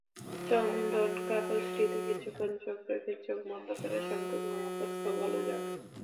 চন্দন কাগজটিতে কিছুক্ষণ চোখ রেখে চোখ বন্ধ করে শব্দগুলো মুখস্থ বলে যান।